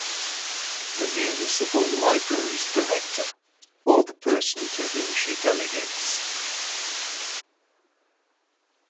The Municipal Library’s Director, or the person to whom she delegates.